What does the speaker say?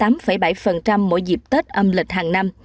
mỗi dịp tết âm lịch hàng năm